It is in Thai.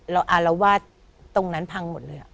อารวาสตรงนั้นพังหมดเลย